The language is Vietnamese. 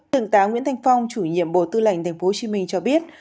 thượng tá nguyễn thanh phong chủ nhiệm bộ tư lệnh tp hcm cho biết